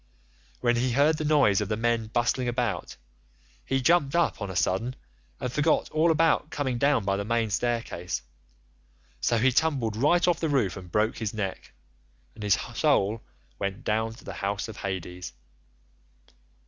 When he heard the noise of the men bustling about, he jumped up on a sudden and forgot all about coming down by the main staircase, so he tumbled right off the roof and broke his neck, and his soul went down to the house of Hades.